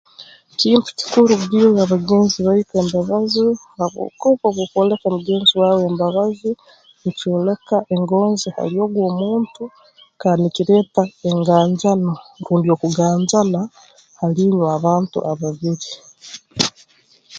Kintu kikuru kugirra bagenzi baitu embabazi habwokuba obu orukwoleka mugenzi waawe embabazi nikyoleka engonzi hali ogu omuntu kandi nikireeta enganjani rundi okuganjana hali inywe abantu ababiri